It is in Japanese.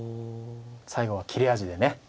最後は切れ味でね